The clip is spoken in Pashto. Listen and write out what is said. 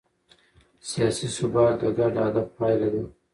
سیاسي ثبات د ګډ هدف پایله ده